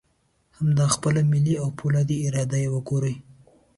همدا خپله ملي او فولادي اراده یې وګورئ.